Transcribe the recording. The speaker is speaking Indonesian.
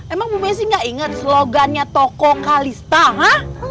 emang bu mesi nggak inget slogannya toko kalista ha